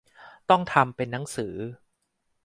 ต้องทำเป็นหนังสือ